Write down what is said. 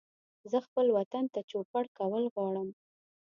زه خپل وطن ته چوپړ کول غواړم